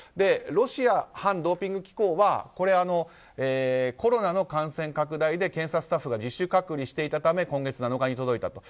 ロシア反ドーピング機構はコロナの感染拡大で検査スタッフが自主隔離していたため今月７日に届いた。